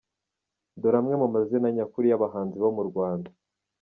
Dore amwe mu mazina nyakuri y’abahanzi bo mu Rwanda:.